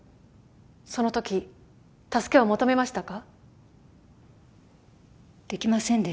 そのとき、助けを求めましたか？